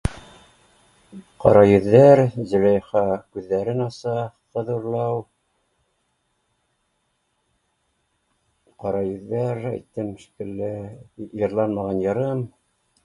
Ҡара йөҙҙәр, Зөләйха күҙҙәрен аса, ҡыҙ урлау, ҡара йөҙҙәр әйттем шикелле, йырланмаған йырым